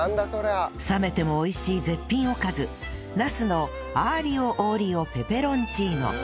冷めても美味しい絶品おかずナスのアーリオ・オーリオ・ペペロンチーノ